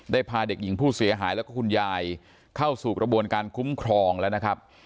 พาเด็กหญิงผู้เสียหายแล้วก็คุณยายเข้าสู่กระบวนการคุ้มครองแล้วนะครับ